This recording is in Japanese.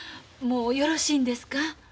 もうよろしいんですか？